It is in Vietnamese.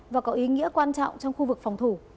và có ý nghĩa quan trọng trong khu vực phòng thủ